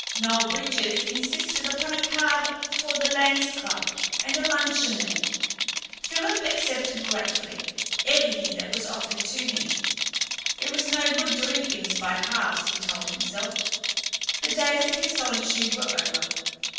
Noel Bridges insisted upon a card for the Lambs Club and a luncheon there. Philip accepted gratefully everything that was offered to him. It was no good doing things by halves, he told himself. The days of his solitude were over.